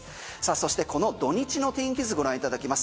そしてこの土日の天気図ご覧いただきます